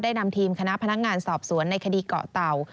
นำทีมคณะพนักงานสอบสวนในคดีเกาะเต่า